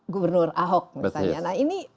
gubernur ahok misalnya nah ini